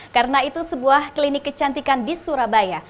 karena itu sebuah klinik kecantikan di surabaya